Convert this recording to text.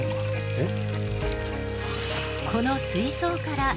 えっ？